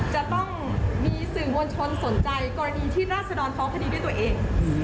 จะต้องมีสื่อมวลชนสนใจกรณีที่ราศดรฟ้องคดีด้วยตัวเอง